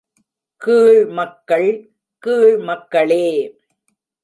கீழ் மக்கள் கீழ் மக்களே!